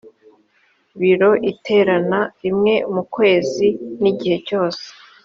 biro iterana rimwe mu kwezi n igihe cyose